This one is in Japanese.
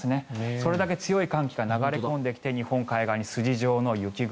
それだけ強い寒気が流れ込んできて日本海側に筋状の雪雲。